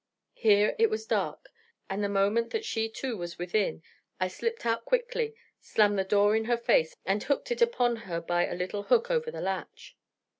Here it was dark, and the moment that she, too, was within, I slipped out quickly, slammed the door in her face, and hooked it upon her by a little hook over the latch.